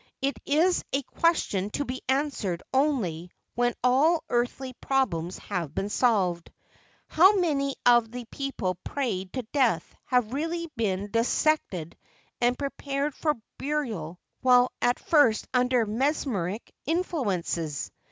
It is a question to be answered only when all earthly problems have been solved. How many of the people prayed to death have really been dis¬ sected and prepared for burial while at first under mesmeric influences!